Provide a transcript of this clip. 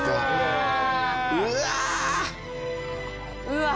うわ！